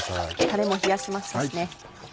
たれも冷やしましたしね。